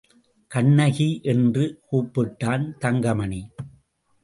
கண்ணகி! என்று கூப்பிட்டான் தங்கமணி.